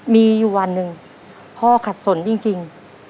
มีอยู่วันหนึ่งพ่อขัดสนจริง